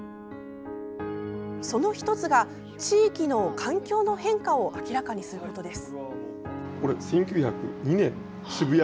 その１つが地域の環境の変化を明らかにすることです。